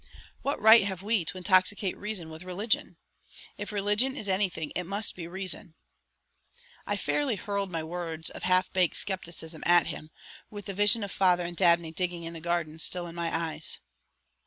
What right have we to intoxicate reason with religion? If religion is anything it must be reason." I fairly hurled my words of half baked skepticism at him, with the vision of father and Dabney digging in the garden, still in my eyes.